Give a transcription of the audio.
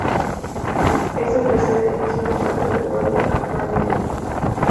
Es el tercer edificio más alto de Puebla actualmente.